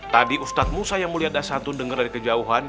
tadi ustadzmu saya mulia dasar tuh denger dari kejauhan